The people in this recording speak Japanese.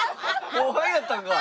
後輩やったんか！